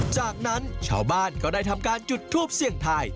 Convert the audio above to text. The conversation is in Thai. จากนั้นชาวบ้านก็ได้ทำการจุดทูปเสี่ยงทาย